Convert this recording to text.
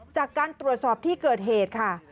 จากการตรวจสอบที่เกิดเหตุค่ะ